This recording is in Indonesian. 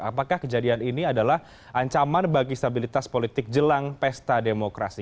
apakah kejadian ini adalah ancaman bagi stabilitas politik jelang pesta demokrasi